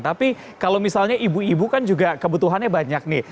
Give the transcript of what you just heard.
tapi kalau misalnya ibu ibu kan juga kebutuhannya banyak nih